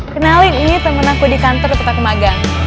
kenalin ini temen aku di kantor petak magang